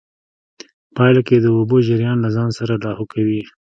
پايله کې د اوبو جريان له ځان سره لاهو کوي.